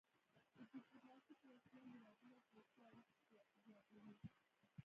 د ډيپلوماسي په وسيله هیوادونه سیاسي اړيکي زیاتوي.